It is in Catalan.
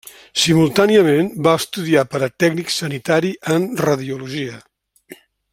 Simultàniament, va estudiar per a tècnic sanitari en radiologia.